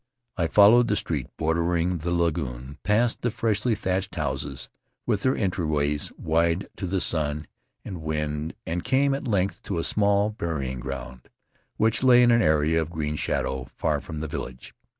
I followed the street bordering the lagoon, past the freshly thatched houses with their entryways wide to the sun and wind, and came at length to a small burying ground which lay in an area of green shadow far from the village.